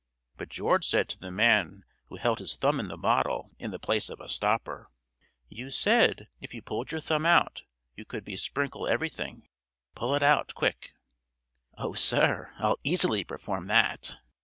But George said to the man who held his thumb in the bottle in the place of a stopper: "You said, if you pulled your thumb out, you could besprinkle everything. Pull it out quick!" "Oh, sir, I'll easily perform that."